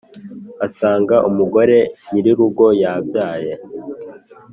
asanga umugore nyirurugo yabyaye,